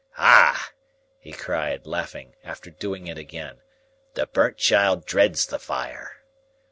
"Ah!" he cried, laughing, after doing it again, "the burnt child dreads the fire!